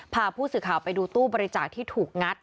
พาผู้สื่อข่าวไปดูตู้บริจาคที่ถูกงัด